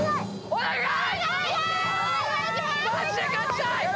・お願い！